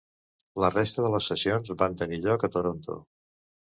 La resta de les sessions van tenir lloc a Toronto.